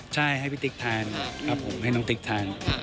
ใช่ให้พี่ติ๊กทานครับผมให้น้องติ๊กทาน